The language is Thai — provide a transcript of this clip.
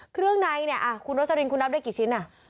เครื่องในเนี่ยอ่ะคุณโดษรินทร์คุณนับได้กี่ชิ้นน่ะ